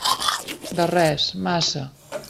De res, massa.